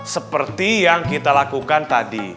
seperti yang kita lakukan tadi